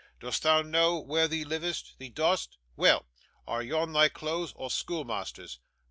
'Dost thee know where thee livest? Thee dost? Weel. Are yon thy clothes, or schoolmeasther's?